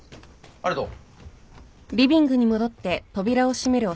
ありがとう。